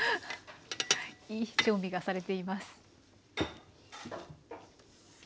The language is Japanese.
いい調味がされています。